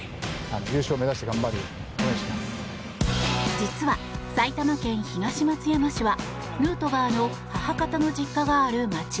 実は埼玉県東松山市はヌートバーの母方の実家がある街。